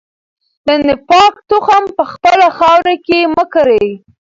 د نفاق تخم په خپله خاوره کې مه کرئ.